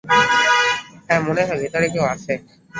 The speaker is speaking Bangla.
হ্যাঁ মনে হয় ভেতরে কেউ আছে।